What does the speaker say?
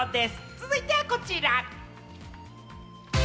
続いてはこちら。